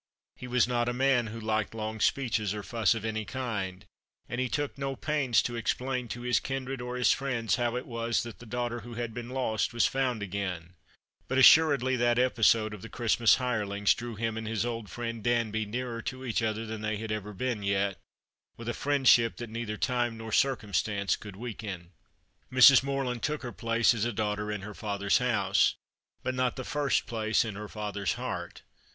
He was not a man who liked long speeches or fuss of any kind ; and he took no pains to explain to his kindred or his friends how it was that the daughter who had been lost was found again ; but assuredly that episode of the Christmas hirelings drew him and his old friend Danby nearer to each other than they had ever been yet, with a friendship that neither time nor circumstance could weaken. Mrs. Morland took her place as a daughter in her father's house, but not the first place in her father's heart.